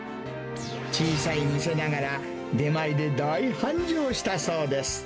小さい店ながら、出前で大繁盛したそうです。